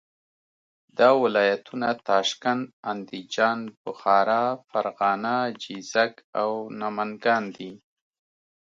دا ولایتونه تاشکند، اندیجان، بخارا، فرغانه، جیزک او نمنګان دي.